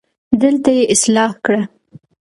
دلته يې اصلاح کړه